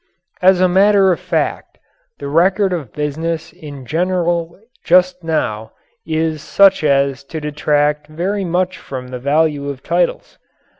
As a matter of fact, the record of business in general just now is such as to detract very much from the value of titles.